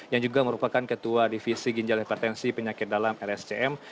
yang juga merupakan ketua divisi ginjal hipertensi penyakit dalam rscm